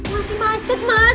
masih macet mas